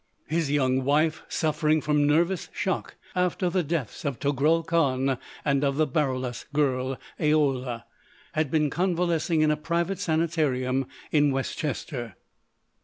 His young wife, suffering from nervous shock after the deaths of Togrul Khan and of the Baroulass girl, Aoula, had been convalescing in a private sanitarium in Westchester.